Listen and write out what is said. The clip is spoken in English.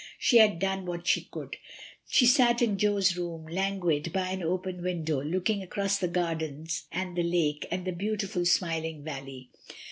She had done what she could. She sat in Jo's room, languid, by an open window, looking across the gardens and the lake, and the beautiful smiling valley.